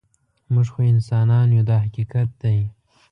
موږ خو انسانان یو دا حقیقت دی.